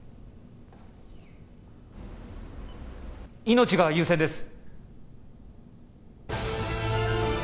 命が優先です。